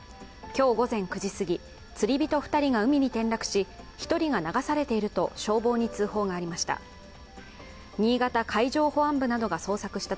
今日午前９時すぎ、釣り人２人が海に転落し１人が流されていると消防に通報がありました。